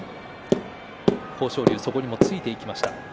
豊昇龍、それについていきました。